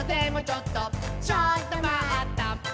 ちょっとまった！」